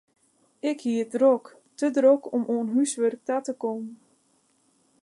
Ik hie it drok, te drok om oan húswurk ta te kommen.